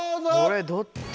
これどっち？